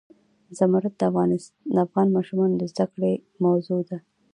زمرد د افغان ماشومانو د زده کړې موضوع ده.